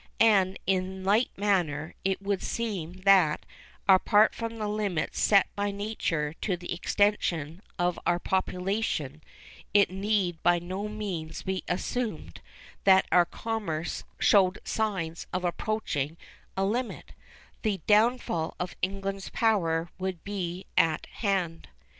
And in like manner, it would seem that, apart from the limits set by nature to the extension of our population, it need by no means be assumed that if our commerce showed signs of approaching a limit, the downfall of England's power would be at hand.